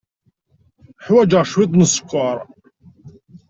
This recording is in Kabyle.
Ḥwajeɣ cwiṭ n sskeṛ.